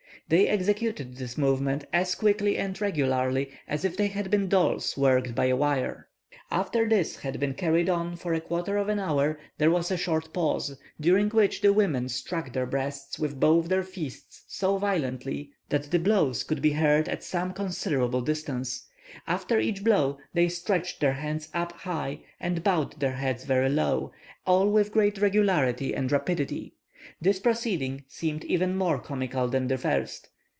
They executed this movement as quickly and regularly as if they had been dolls worked by a wire. After this had been carried on for a quarter of an hour, there was a short pause, during which the women struck their breasts with both their fists so violently, that the blows could be heard at some considerable distance. After each blow, they stretched their hands up high and bowed their heads very low, all with great regularity and rapidity. This proceeding seemed even more comical than the first.